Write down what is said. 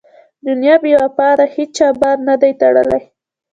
دنیا بې وفا ده هېچا بار نه دی تړلی.